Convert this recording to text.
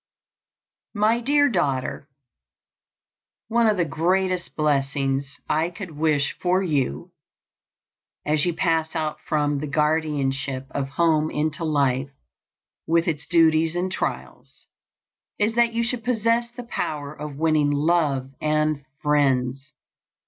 My Dear Daughter: One of the greatest blessings I could wish for you, as you pass out from the guardianship of home into life with its duties and trials, is that you should possess the power of winning love and friends.